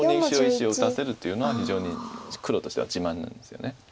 白石を打たせるというのは非常に黒としては自慢なんですよね。